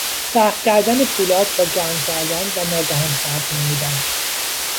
سخت کردن پولاد با گرم کردن و ناگهان سرد نمودن